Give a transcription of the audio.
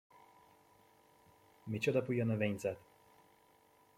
Micsoda buja növényzet!